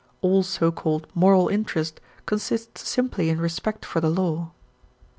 All so called moral interest consists simply in respect for the law.